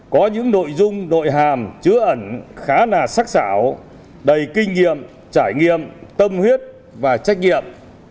có những nội dung nội hàm chứa ẩn khá là sắc xảo đầy kinh nghiệm trải nghiệm tâm huyết và trách nhiệm